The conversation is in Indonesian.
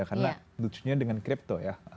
karena lucunya dengan crypto ya